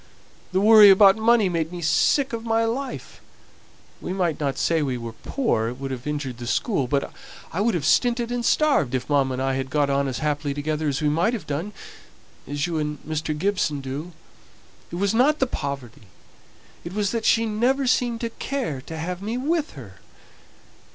The worry about money made me sick of my life. We might not say we were poor, it would have injured the school; but I would have stinted and starved if mamma and I had got on as happily together as we might have done as you and Mr. Gibson do. It was not the poverty; it was that she never seemed to care to have me with her.